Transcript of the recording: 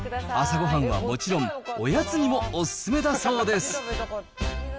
朝ごはんはもちろん、おやつにもお勧めだそうです。